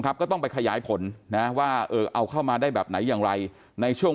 ก็ต้องไปขยายผลนะว่าเออเอาเข้ามาได้แบบไหนอย่างไรในช่วง